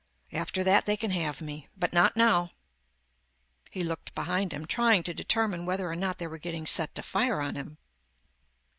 After that, they can have me. But not now. He looked behind him, trying to determine whether or not they were getting set to fire on him.